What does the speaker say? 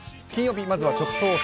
金曜日、まずは直送！